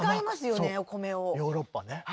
ヨーロッパね。